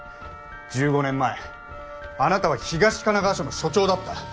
１５年前あなたは東神奈川署の署長だった。